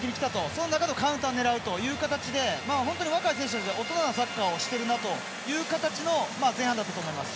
その中でカウンターを狙うという形で若い選手たちが大人なサッカーをしているなという形の前半だったと思います。